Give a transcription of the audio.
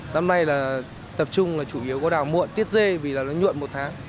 năm nay là tập trung là chủ yếu có đào muộn tiết dê vì là nó nhuộn một tháng